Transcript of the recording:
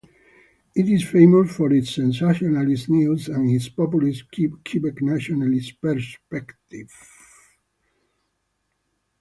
It is famous for its sensationalist news, and its populist Quebec-nationalist perspective.